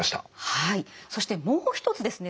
はいそしてもう一つですね